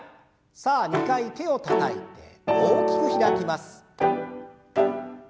さあ２回手をたたいて大きく開きます。